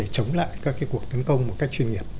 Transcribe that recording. chống lại các cuộc tấn công một cách chuyên nghiệp